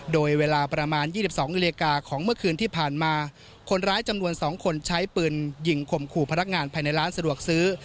โดยเวลาประมาณ๒๒นาฬิกาของเมื่อคืนที่ผ่านมาคนร้ายจำนวน๒คนใช้ปืนยิงข่มขู่พนักงานภายในร้านสะดวกซื้อ